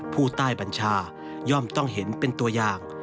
ผู้ใต้บัญชาย่อมต้องเห็นเป็นตัวอย่าง